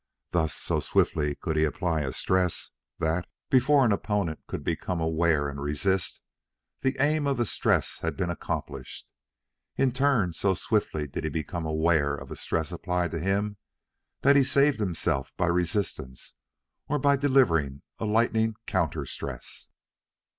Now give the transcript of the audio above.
Thus, so swiftly could he apply a stress, that, before an opponent could become aware and resist, the aim of the stress had been accomplished. In turn, so swiftly did he become aware of a stress applied to him, that he saved himself by resistance or by delivering a lightning counter stress.